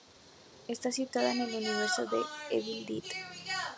Está situada en el universo de "Evil Dead".